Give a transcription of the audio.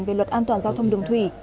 về luật an toàn giao thông đường thủy